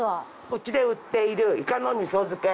うちで売っているイカの味噌漬け。